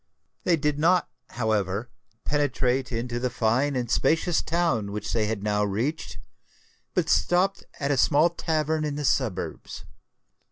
They did not, however, penetrate into the fine and spacious town which they had now reached; but stopped at a small tavern in the suburbs.